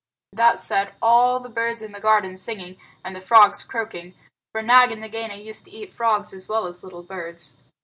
That set all the birds in the garden singing, and the frogs croaking, for Nag and Nagaina used to eat frogs as well as little birds.